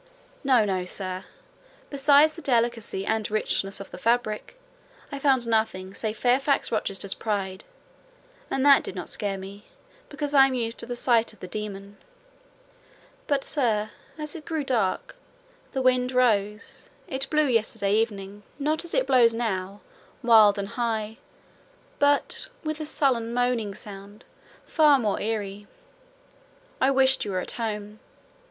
"No, no, sir; besides the delicacy and richness of the fabric, I found nothing save Fairfax Rochester's pride; and that did not scare me, because I am used to the sight of the demon. But, sir, as it grew dark, the wind rose: it blew yesterday evening, not as it blows now—wild and high—but 'with a sullen, moaning sound' far more eerie. I wished you were at home.